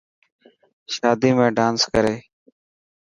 شادي ۾ ڊانس ڪري.